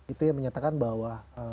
itu yang menyatakan bahwa